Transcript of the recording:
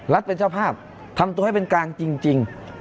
เป็นเจ้าภาพทำตัวให้เป็นกลางจริง